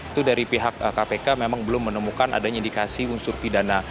itu dari pihak kpk memang belum menemukan adanya indikasi unsur pidana